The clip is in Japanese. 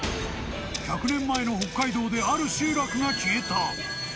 １００年前の北海道である集落が消えた。